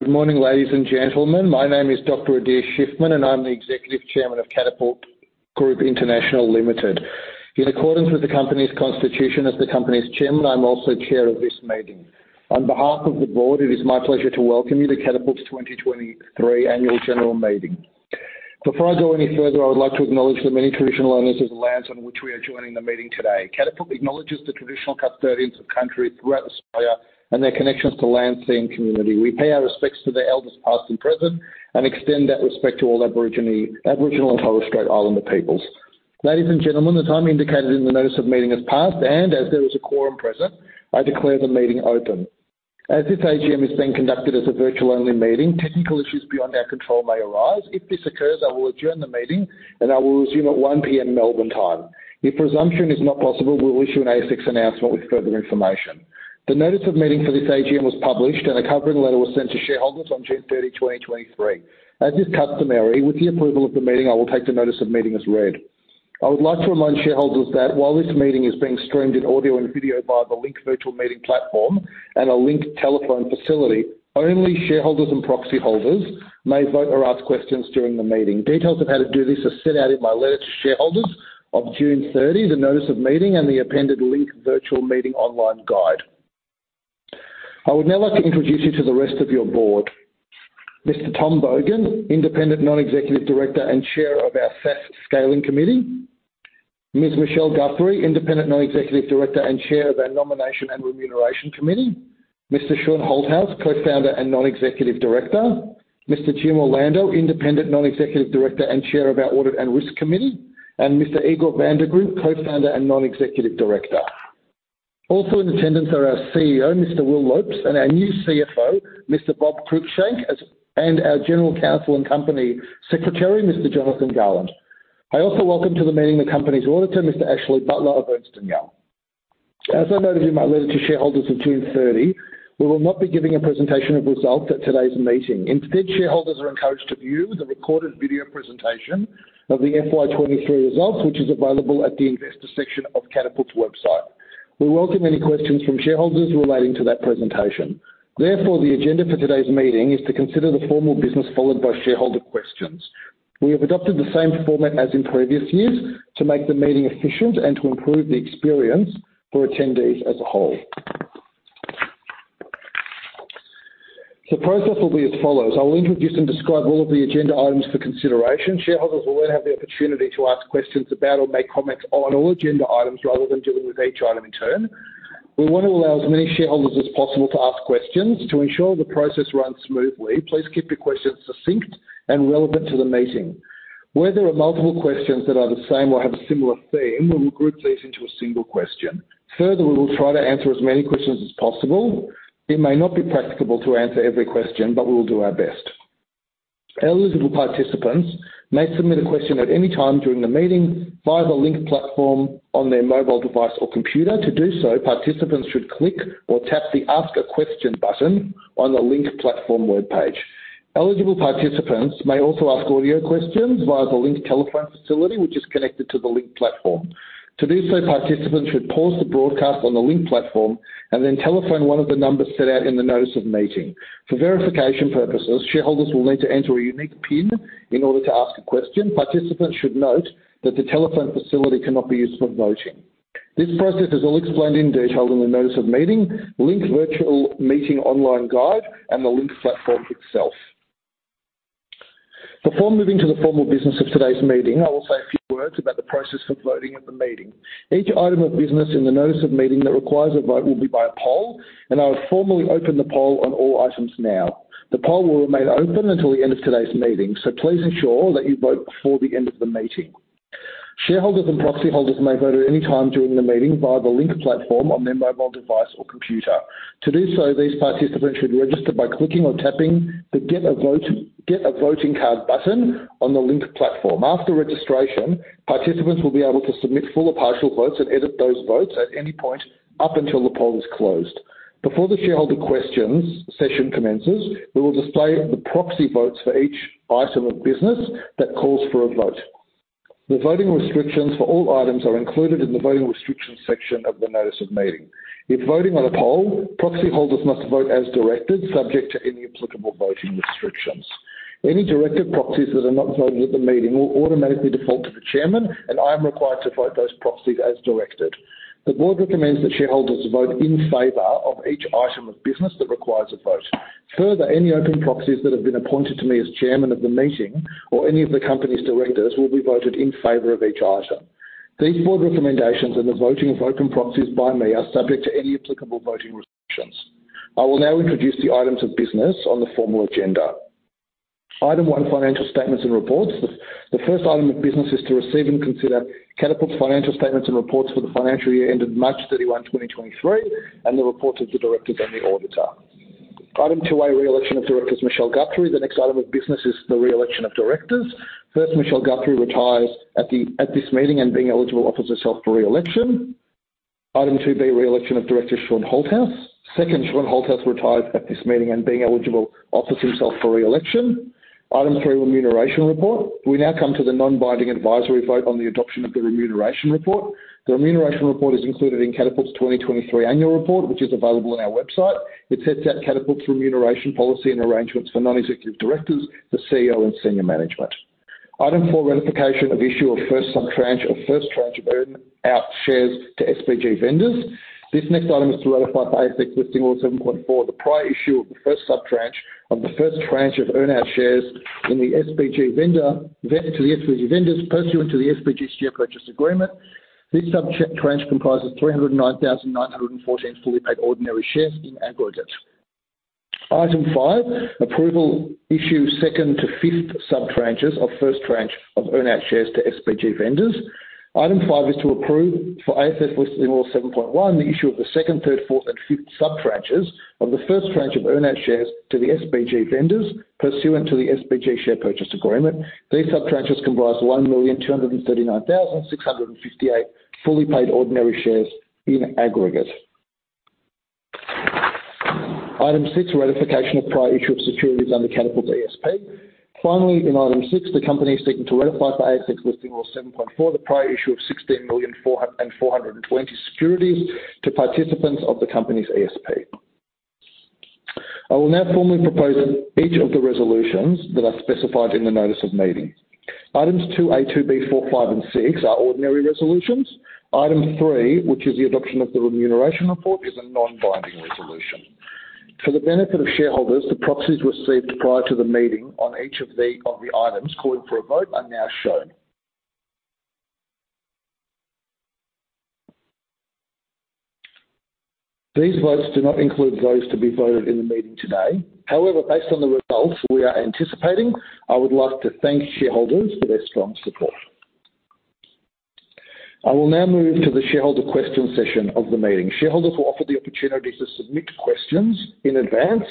Good morning, ladies and gentlemen. My name is Dr. Adir Shiffman, and I'm the executive chairman of Catapult Group International Ltd. In accordance with the company's constitution as the company's chairman, I'm also chair of this meeting. On behalf of the board, it is my pleasure to welcome you to Catapult's 2023 Annual General Meeting. Before I go any further, I would like to acknowledge the many traditional owners of the lands on which we are joining the meeting today. Catapult acknowledges the traditional custodians of the country throughout Australia and their connections to land, sea, and community. We pay our respects to the elders, past and present, and extend that respect to all Aboriginal and Torres Strait Islander peoples. Ladies and gentlemen, the time indicated in the notice of meeting has passed, and as there is a quorum present, I declare the meeting open. As this AGM is being conducted as a virtual-only meeting, technical issues beyond our control may arise. If this occurs, I will adjourn the meeting, and I will resume at 1:00 P.M. Melbourne time. If resumption is not possible, we'll issue an ASX announcement with further information. The notice of meeting for this AGM was published, and a covering letter was sent to shareholders on June 30, 2023. As is customary, with the approval of the meeting, I will take the notice of meeting as read. I would like to remind shareholders that while this meeting is being streamed in audio and video via the Link virtual meeting platform and a Link telephone facility, only shareholders and proxy holders may vote or ask questions during the meeting. Details of how to do this are set out in my letter to shareholders of June 30, the notice of meeting, and the appended Link virtual meeting online guide. I would now like to introduce you to the rest of your board. Mr. Tom Bogan, independent non-executive director and chair of our SaaS Scaling Committee. Ms. Michelle Guthrie, independent non-executive director and chair of our Nomination and Remuneration Committee. Mr. Shaun Holthouse, co-founder and non-executive director. Mr. Jim Orlando, independent non-executive director and chair of our Audit and Risk Committee, and Mr. Igor van den Griendt, co-founder and non-executive director. Also in attendance are our CEO, Mr. Will Lopes, and our new CFO, Mr. Bob Cruickshank, and our general counsel and company secretary, Mr. Jonathan Garland. I also welcome to the meeting the company's auditor, Mr. Ashley Butler of Ernst & Young. As I noted in my letter to shareholders of June 30, we will not be giving a presentation of results at today's meeting. Instead, shareholders are encouraged to view the recorded video presentation of the FY23 results, which is available at the investor section of Catapult's website. We welcome any questions from shareholders relating to that presentation. Therefore, the agenda for today's meeting is to consider the formal business, followed by shareholder questions. We have adopted the same format as in previous years to make the meeting efficient and to improve the experience for attendees as a whole. The process will be as follows: I will introduce and describe all of the agenda items for consideration. Shareholders will then have the opportunity to ask questions about or make comments on all agenda items, rather than dealing with each item in turn. We want to allow as many shareholders as possible to ask questions. To ensure the process runs smoothly, please keep your questions succinct and relevant to the meeting. Where there are multiple questions that are the same or have a similar theme, we will group these into a single question. Further, we will try to answer as many questions as possible. It may not be practicable to answer every question, but we will do our best. Eligible participants may submit a question at any time during the meeting via the Link platform on their mobile device or computer. To do so, participants should click or tap the Ask A Question button on the Link platform webpage. Eligible participants may also ask audio questions via the Link telephone facility, which is connected to the Link platform. To do so, participants should pause the broadcast on the Link platform and then telephone one of the numbers set out in the notice of meeting. For verification purposes, shareholders will need to enter a unique PIN in order to ask a question. Participants should note that the telephone facility cannot be used for voting. This process is all explained in detail in the notice of meeting, Link virtual meeting online guide, and the Link platform itself. Before moving to the formal business of today's meeting, I will say a few words about the process of voting at the meeting. Each item of business in the notice of meeting that requires a vote will be by a poll, and I will formally open the poll on all items now. The poll will remain open until the end of today's meeting. Please ensure that you vote before the end of the meeting. Shareholders and proxy holders may vote at any time during the meeting via the Link platform on their mobile device or computer. To do so, these participants should register by clicking or tapping the Get a Voting Card button on the Link platform. After registration, participants will be able to submit full or partial votes and edit those votes at any point up until the poll is closed. Before the shareholder questions session commences, we will display the proxy votes for each item of business that calls for a vote. The voting restrictions for all items are included in the Voting Restrictions section of the notice of meeting. If voting on a poll, proxy holders must vote as directed, subject to any applicable voting restrictions. Any directed proxies that are not voted at the meeting will automatically default to the chairman, and I am required to vote those proxies as directed. The board recommends that shareholders vote in favor of each item of business that requires a vote. Any open proxies that have been appointed to me as chairman of the meeting or any of the company's directors, will be voted in favor of each item. These board recommendations and the voting of open proxies by me are subject to any applicable voting restrictions. I will now introduce the items of business on the formal agenda. Item 1, financial statements and reports. The first item of business is to receive and consider Catapult's financial statements and reports for the financial year ended March 31, 2023, and the reports of the directors and the auditor. Item 2-A, re-election of directors, Michelle Guthrie. The next item of business is the re-election of directors. First, Michelle Guthrie retires at this meeting and, being eligible, offers herself for re-election. Item 2-B, re-election of director Shaun Holthouse. Second, Shaun Holthouse retires at this meeting and, being eligible, offers himself for re-election. Item 3, remuneration report. We now come to the non-binding advisory vote on the adoption of the remuneration report. The remuneration report is included in Catapult's 2023 annual report, which is available on our website. It sets out Catapult's remuneration policy and arrangements for non-executive directors, the CEO, and senior management. Item 4, ratification of issue of first sub-tranche, or first tranche of earn-out shares to SBG vendors. This next item is to ratify by ASX Listing Rule 7.4, the prior issue of the first sub-tranche of the first tranche of earn-out shares to the SBG vendors, pursuant to the SBG share purchase agreement. This sub-tranche comprises 309,914 fully paid ordinary shares in aggregate. Item 5, approval issue second to fifth sub-tranches of first tranche of earn-out shares to SBG vendors. Item 5 is to approve for ASX Listing Rule 7.1, the issue of the second, third, fourth, and fifth sub-tranches of the first tranche of earn-out shares to the SBG vendors, pursuant to the SBG share purchase agreement. These sub-tranches comprise 1,239,658 fully paid ordinary shares in aggregate. Item 6, ratification of prior issue of securities under Catapult ESP. Finally, in Item 6, the company is seeking to ratify for ASX Listing Rule 7.4, the prior issue of 16,000,420 securities to participants of the company's ESP. I will now formally propose each of the resolutions that are specified in the notice of meeting. Items 2A, 2B, 4, 5, and 6 are ordinary resolutions. Item 3, which is the adoption of the remuneration report, is a non-binding resolution. For the benefit of shareholders, the proxies received prior to the meeting on each of the items calling for a vote are now shown. These votes do not include votes to be voted in the meeting today. Based on the results we are anticipating, I would like to thank shareholders for their strong support. I will now move to the shareholder question session of the meeting. Shareholders were offered the opportunity to submit questions in advance.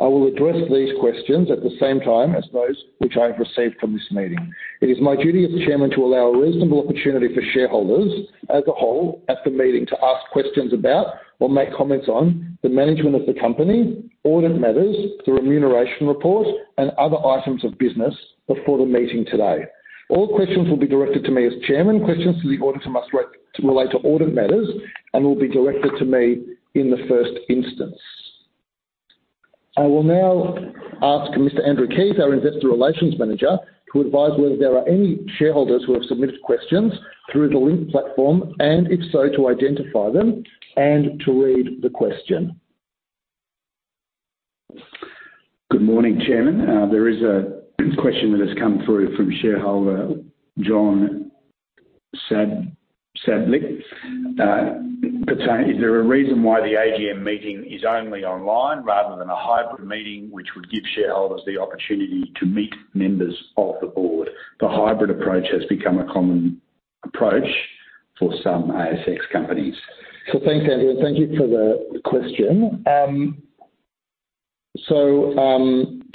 I will address these questions at the same time as those which I have received from this meeting. It is my duty as chairman to allow a reasonable opportunity for shareholders as a whole at the meeting, to ask questions about or make comments on the management of the company, audit matters, the remuneration report, and other items of business before the meeting today. All questions will be directed to me as chairman. Questions to the auditor must relate to audit matters and will be directed to me in the first instance. I will now ask Mr.Andrew Keys, our investor relations manager, to advise whether there are any shareholders who have submitted questions through the Link platform, and if so, to identify them and to read the question. Good morning, Chairman. There is a question that has come through from shareholder John Sadlik. It's saying: Is there a reason why the AGM meeting is only online rather than a hybrid meeting, which would give shareholders the opportunity to meet members of the board? The hybrid approach has become a common approach for some ASX companies. Thanks, Andrew, and thank you for the question.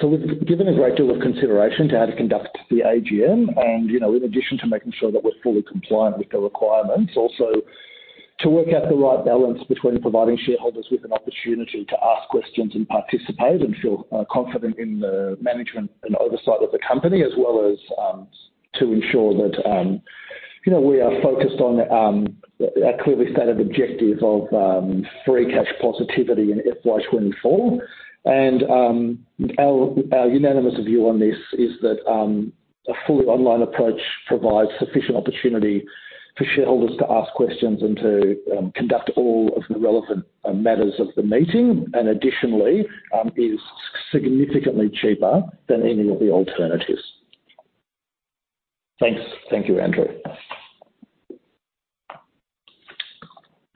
We've given a great deal of consideration to how to conduct the AGM and, you know, in addition to making sure that we're fully compliant with the requirements, also to work out the right balance between providing shareholders with an opportunity to ask questions and participate and feel confident in the management and oversight of the company, as well as to ensure that, you know, we are focused on a clearly stated objective of free cash positivity in FY24. Our unanimous view on this is that a fully online approach provides sufficient opportunity for shareholders to ask questions and to conduct all of the relevant matters of the meeting, and additionally, is significantly cheaper than any of the alternatives. Thanks. Thank you, Andrew.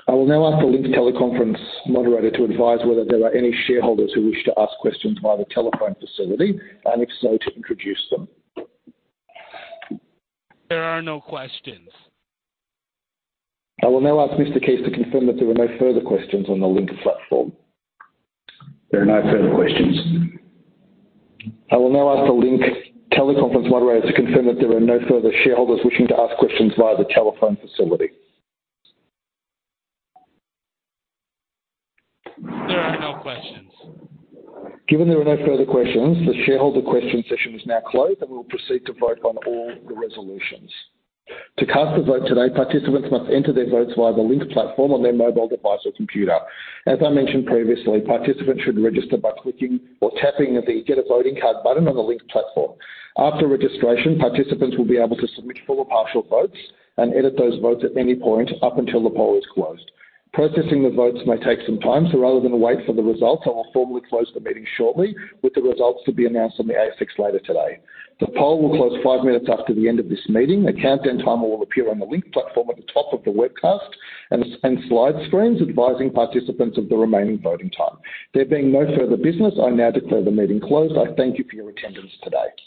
I will now ask the Link teleconference moderator to advise whether there are any shareholders who wish to ask questions via the telephone facility, and if so, to introduce them. There are no questions. I will now ask Mr. Keys to confirm that there are no further questions on the Link platform. There are no further questions. I will now ask the Link teleconference moderator to confirm that there are no further shareholders wishing to ask questions via the telephone facility. There are no questions. Given there are no further questions, the shareholder question session is now closed, and we will proceed to vote on all the resolutions. To cast a vote today, participants must enter their votes via the Link platform on their mobile device or computer. As I mentioned previously, participants should register by clicking or tapping the Get a Voting Card button on the Link platform. After registration, participants will be able to submit full or partial votes and edit those votes at any point up until the poll is closed. Processing the votes may take some time, so rather than wait for the results, I will formally close the meeting shortly, with the results to be announced on the ASX later today. The poll will close five minutes after the end of this meeting. A countdown timer will appear on the Link platform at the top of the webcast and slide screens, advising participants of the remaining voting time. There being no further business, I now declare the meeting closed. I thank you for your attendance today.